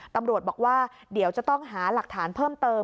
ตำรวจบอกว่าเดี๋ยวจะต้องหาหลักฐานเพิ่มเติม